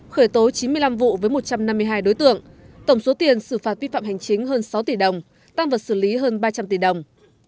khởi tố chín mươi năm vụ với một trăm năm mươi hai đối tượng tổng số tiền xử phạt vi phạm hành chính hơn sáu tỷ đồng tăng vật xử lý hơn ba trăm linh tỷ đồng